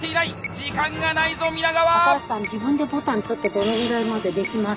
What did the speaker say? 時間がないぞ皆川！